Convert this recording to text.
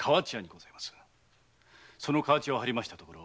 その河内屋を張りましたところ